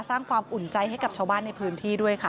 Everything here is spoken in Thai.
สร้างความอุ่นใจให้กับชาวบ้านในพื้นที่ด้วยค่ะ